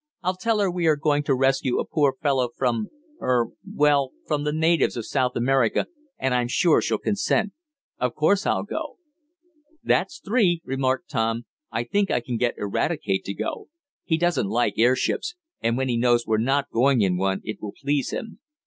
I'll tell her we are going to rescue a poor fellow from er well from the natives of South America, and I'm sure she'll consent. Of course I'll go." "That's three," remarked Tom. "I think I can get Eradicate to go. He doesn't like airships, and when he knows we're not going in one it will please him.